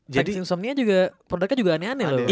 tanks insomnia juga produknya juga aneh aneh loh